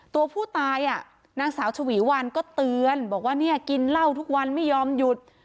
ตัวผู้ตายนางสาวชวีวันก็เตือนบอกว่าเนี่ยกินเหล้าทุกวันไม่ยอมหยุด